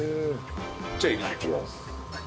じゃあ入れていきます。